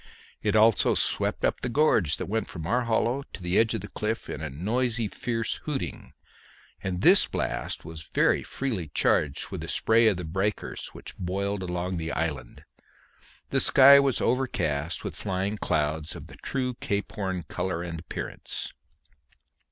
It also swept up the gorge that went from our hollow to the edge of the cliff in a noisy fierce hooting, and this blast was very freely charged with the spray of the breakers which boiled along the island. The sky was overcast with flying clouds of the true Cape Horn colour and appearance.